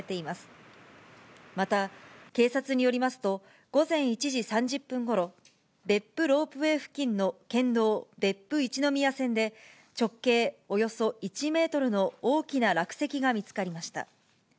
また、警察によりますと、午前１時３０分ごろ、別府ロープウェイ付近の県道別府一の宮線で、直径およそ１メートルの大きな落石が見つかりました。